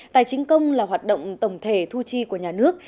tài chính công là hoạt động tổng thể thu chi của nhà nước